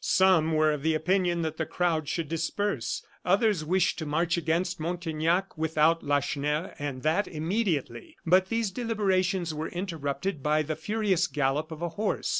Some were of the opinion that the crowd should disperse; others wished to march against Montaignac without Lacheneur, and that, immediately. But these deliberations were interrupted by the furious gallop of a horse.